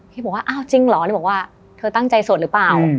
พี่บอกว่าเอ้าจริงหรอหนูบอกว่าเธอตั้งใจสวดหรือเปล่า